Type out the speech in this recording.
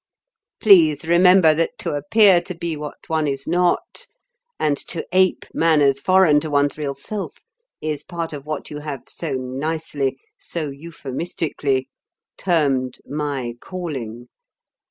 "Please remember that to appear to be what one is not, and to ape manners foreign to one's real self is part of what you have so nicely, so euphemistically, termed 'my calling.'